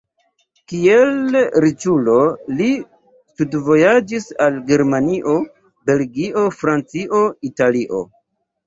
Kiel riĉulo li studvojaĝis al Germanio, Belgio, Francio, Italio.